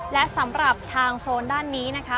และสำหรับทางโซนด้านนี้นะคะ